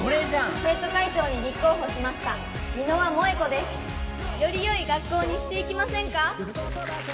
生徒会長に立候補しました三ノ輪萌子ですよりよい学校にしていきませんか？